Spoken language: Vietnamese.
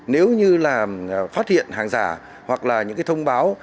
nếu như là phát hiện hàng giả hoặc là những cái thông báo